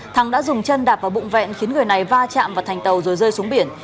thắng đã dùng chân đạp vào bụng vẹn khiến người này va chạm vào thành tàu rồi rơi xuống biển